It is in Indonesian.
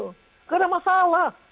tidak ada masalah